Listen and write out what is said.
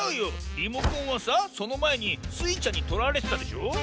リモコンはさそのまえにスイちゃんにとられてたでしょ？